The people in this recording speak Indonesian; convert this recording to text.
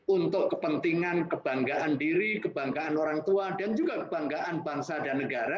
untuk kepentingan kebanggaan diri kebanggaan orang tua dan juga kebanggaan bangsa dan negara